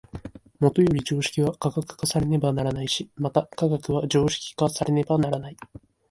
もとより常識は科学化されねばならないし、また科学は常識化されねばならない。